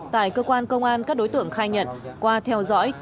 tại cơ quan công an các đối tượng khai nhận qua theo dõi